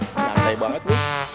lantai banget lu